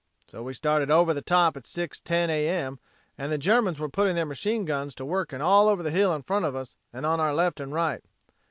So we started over the top at 6:10 A.M. and the Germans were putting their machine guns to working all over the hill in front of us and on our left and right.